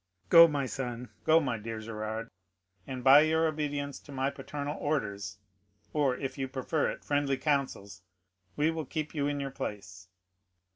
Go, my son—go, my dear Gérard, and by your obedience to my paternal orders, or, if you prefer it, friendly counsels, we will keep you in your place.